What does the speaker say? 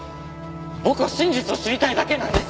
僕は真実を知りたいだけなんです！